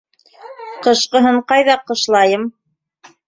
Ҡышкынаһын кайҙа кышлайым?